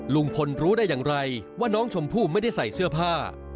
ลุงพลรู้ได้อย่างไรว่าน้องชมพู่ไม่ได้ใส่เสื้อผ้า